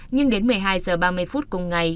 nhưng đến một mươi hai h ba mươi phút cùng ngày